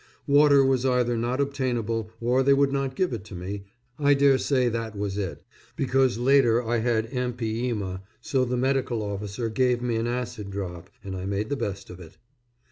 Water was either not obtainable or they would not give it to me I dare say that was it, because later I had empyema so the medical officer gave me an acid drop; and I made the best of it.